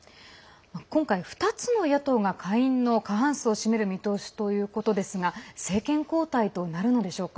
今回２つの野党が下院の過半数を占める見通しということですが政権交代となるのでしょうか。